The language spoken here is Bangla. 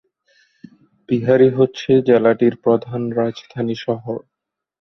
বিহারি হচ্ছে জেলাটির প্রধান রাজধানী শহর।